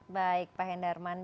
baik pak henderman